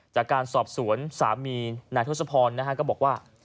จากการสอบสวนสามีนายทศพรก็บอกว่า